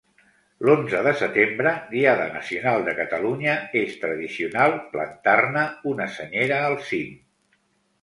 L'onze de setembre, Diada Nacional de Catalunya, és tradicional plantar-ne una senyera al cim.